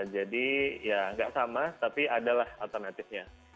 jadi ya nggak sama tapi ada lah otomatisnya